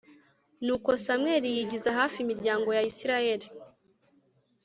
Nuko samweli yigiza hafi imiryango ya isirayeli